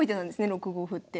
６五歩って。